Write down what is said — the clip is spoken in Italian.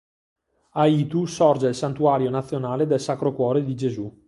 A Itu sorge il santuario nazionale del Sacro Cuore di Gesù.